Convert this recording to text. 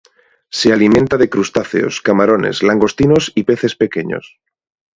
Se alimenta de crustáceos, camarones, langostinos y peces pequeños.